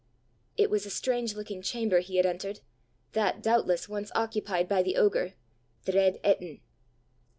It was a strange looking chamber he had entered that, doubtless, once occupied by the ogre The Reid Etin.